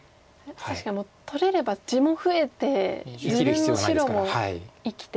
確かにもう取れれば地も増えて自分の白も生きてと。